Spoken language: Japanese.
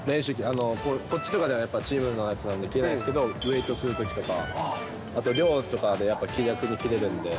こっちとかではやっぱチームのやつなんで着れないですけど、ウエートするときとか、あと寮とかでやっぱ気楽に着れるんで。